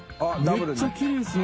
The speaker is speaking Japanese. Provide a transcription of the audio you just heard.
めっちゃきれいですね。